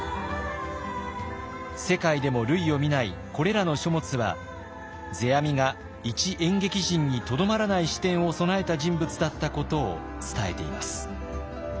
世界でも類を見ないこれらの書物は世阿弥が一演劇人にとどまらない視点を備えた人物だったことを伝えています。